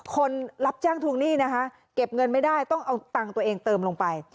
คนรับจ้างทวงหนี้นะคะเก็บเงินไม่ได้ต้องเอาตังค์ตัวเองเติมลงไป